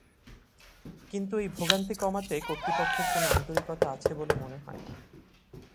কিন্তু এই ভোগান্তি কমাতে কর্তৃপক্ষের কোনো আন্তরিকতা আছে বলে মনে হয় না।